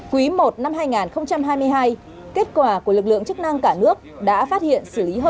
quý i năm hai nghìn hai mươi hai kết quả của lực lượng chức năng cả nước đã phát hiện